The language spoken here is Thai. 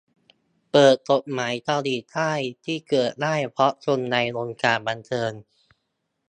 เปิดกฎหมายเกาหลีใต้ ที่เกิดขึ้นได้เพราะคนในวงการบันเทิง